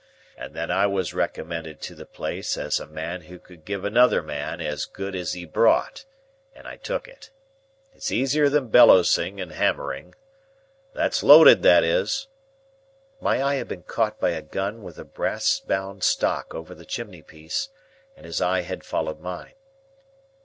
And then I was recommended to the place as a man who could give another man as good as he brought, and I took it. It's easier than bellowsing and hammering.—That's loaded, that is." My eye had been caught by a gun with a brass bound stock over the chimney piece, and his eye had followed mine.